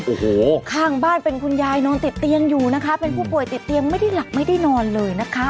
โอ้โหข้างบ้านเป็นคุณยายนอนติดเตียงอยู่นะคะเป็นผู้ป่วยติดเตียงไม่ได้หลับไม่ได้นอนเลยนะคะ